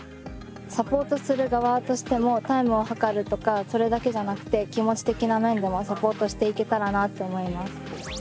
サポートする側としてもタイムを測るとかそれだけじゃなくて気持ち的な面でもサポートしていけたらなって思います。